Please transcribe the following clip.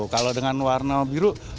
kalau dengan warna biru